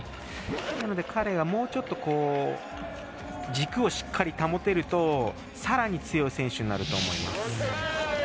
なので彼はもうちょっと軸をしっかり保てるとさらに強い選手になると思います。